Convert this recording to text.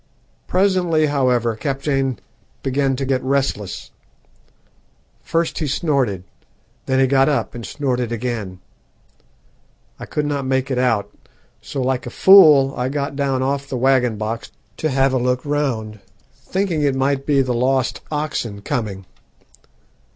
"Presently, however, Kaptein began to get restless. First he snorted, then he got up and snorted again. I could not make it out, so like a fool I got down off the waggon box to have a look round, thinking it might be the lost oxen coming.